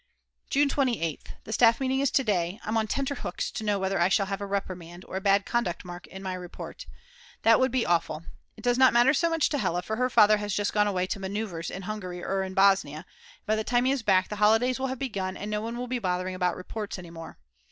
June 28th. The Staff Meeting is to day. I'm on tenter hooks to know whether I shall have a Reprimand, or a bad conduct mark in my report. That would be awful. It does not matter so much to Hella, for her father has just gone away to manoeuvres in Hungary or in Bosnia, and by the time he is back the holidays will have begun and no one will be bothering about reports any more.